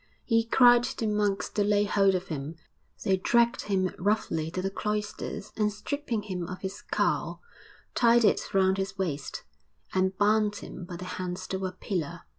He cried to monks to lay hold of him; they dragged him roughly to the cloisters, and stripping him of his cowl tied it round his waist, and bound him by the hands to a pillar....